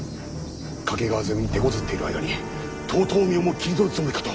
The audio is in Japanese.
懸川攻めにてこずっている間に遠江をも切り取るつもりかと！